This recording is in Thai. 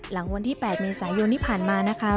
หลังวันที่๘เมษายนที่ผ่านมานะคะ